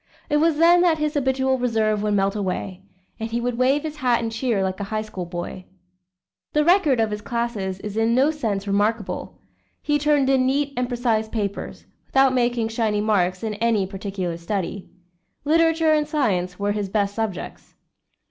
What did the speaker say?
It was then that his habitual reserve would melt away, and he would wave his hat and cheer like a high school boy. The record of his classes is in no sense remarkable. He turned in neat and precise papers, without making shining marks in any particular study. Literature and science were his best subjects.